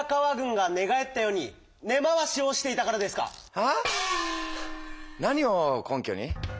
フッ何を根拠に？